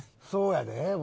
そうやで。